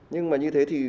nhưng mà như thế thì